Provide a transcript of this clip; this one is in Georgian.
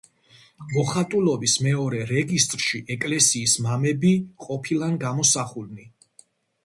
მოხატულობის მეორე რეგისტრში ეკლესიის მამები ყოფილან გამოსახულნი.